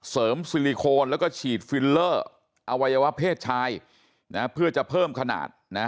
ซิลิโคนแล้วก็ฉีดฟิลเลอร์อวัยวะเพศชายนะเพื่อจะเพิ่มขนาดนะ